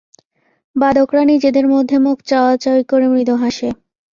বাদকরা নিজেদের মধ্যে মুখ চাওয়াচাওয়ি করে মৃদু হাসে।